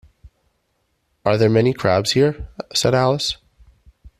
‘Are there many crabs here?’ said Alice.